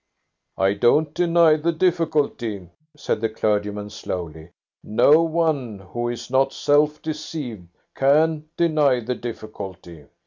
"I don't deny the difficulty," said the clergyman slowly; "no one who is not self deceived can deny the difficulty.